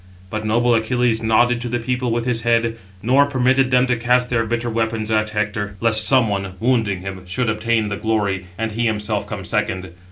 But noble Achilles nodded to the people with his head, nor permitted them to cast their bitter weapons at Hector, lest some one, wounding him, should obtain the glory, and he himself come second.